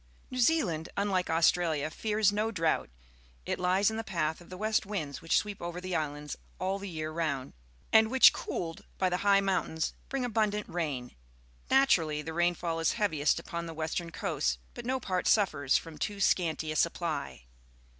New Zealand, unlike Australia, fears no drought; it hes in the p ath of tbp wp.^t winds which sweep over the islands all the year round, and wliich, cooled by the high mountains, br ing abundant rain . Naturally, the niiiilull IS heaviest upon the wester n coa^, but no part suffers from too scanty a supply.